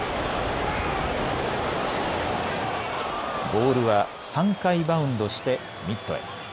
ボールは３回バウンドしてミットへ。